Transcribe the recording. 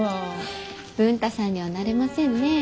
文太さんにはなれませんねえ。